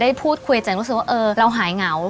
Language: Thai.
ได้พูดคุยแต่รู้สึกว่าเออเราหายเหงา